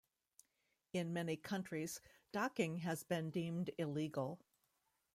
In many countries, docking has been deemed illegal.